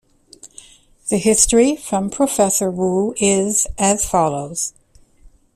The history from Professor Wu is as follows.